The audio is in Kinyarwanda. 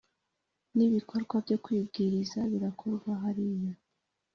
n ibikorwa byo kwibwiriza birakorwa hariya